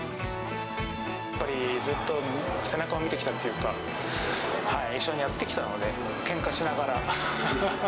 やっぱりずっと背中を見てきたっていうか、一緒にやってきたので、けんかしながら。